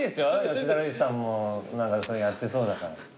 吉田類さんも何かやってそうだから。